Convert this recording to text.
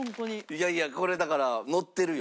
いやいやこれだからノッてるよ。